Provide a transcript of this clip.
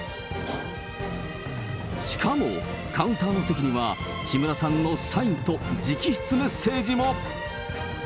しかも、カウンターの席には、木村さんのサインと直筆メッセージも。